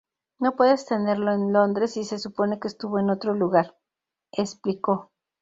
No puedes tenerlo en Londres si se supone que estuvo en otro lugar", explicó.